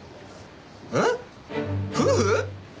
えっ夫婦？